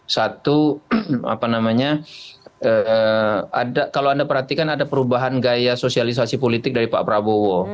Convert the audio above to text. satu apa namanya kalau anda perhatikan ada perubahan gaya sosialisasi politik dari pak prabowo